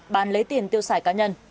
bán lấy tiền tiêu sải cá nhân